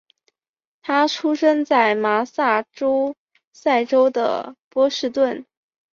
他出生在麻萨诸塞州的波士顿。